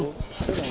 thưa quý vị